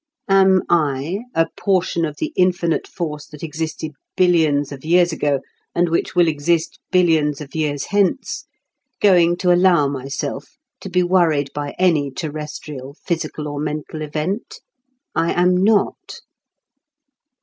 Am I, a portion of the Infinite Force that existed billions of years ago, and which will exist billions of years hence, going to allow myself to be worried by any terrestrial physical or mental event? I am not.